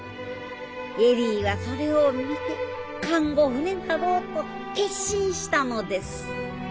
恵里はそれを見て看護婦になろうと決心したのです。